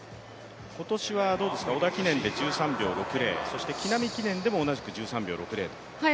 今年はどうですか、織田記念で１３秒６０、そして木南記念でも同じく１３秒６０という記録。